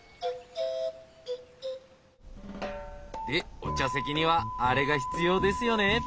でお茶席にはアレが必要ですよね！